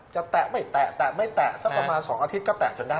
แตะไม่แตะไม่แตะสักประมาณ๒อาทิตย์ก็แตะจนได้